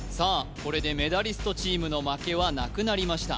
これでメダリストチームの負けはなくなりました